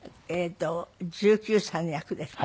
１９歳の役ですね。